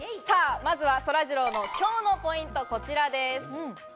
まずは、そらジローのきょうのポイント、こちらです。